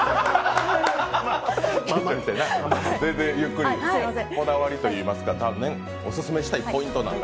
全然ゆっくり、こだわりといいますか、おすすめしたいポイント。